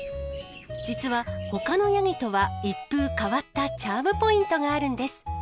実は、ほかのヤギとは一風変わったチャームポイントがあるんです。